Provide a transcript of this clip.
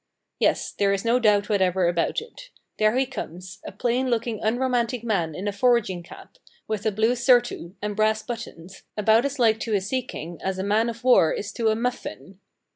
Yes, there is no doubt whatever about it. There he comes, a plain looking unromantic man in a foraging cap, with a blue surtout and brass buttons, about as like to a sea king as a man of war is to a muffin.